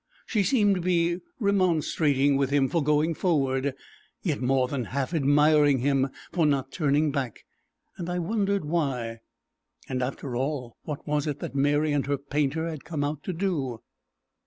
She seemed to be remonstrating with him for going forward, yet more than half admiring him for not turning back, and I wondered why. And after all what was it that Mary and her painter had come out to do?